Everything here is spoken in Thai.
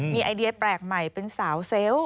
มีไอเดียแปลกใหม่เป็นสาวเซลล์